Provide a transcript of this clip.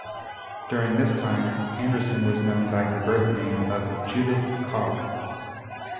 During this time, Anderson was known by her birth name of Judith Carr.